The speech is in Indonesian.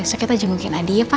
besoknya kita jengukin adi ya pa